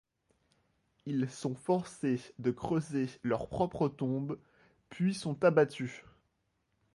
Ils sont forcés de creuser leurs propres tombes, puis sont abattus.